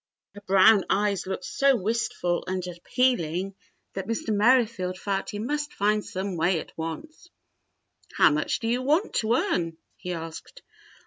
^" Her brown eyes looked so wistful and appealing 102 THE BLUE AUNT that Mr. Merrifield felt he must find some way at once. "How much do you want to earn.^^" he asked.